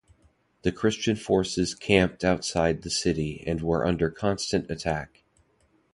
The Christian forces camped outside the city and were under constant attack.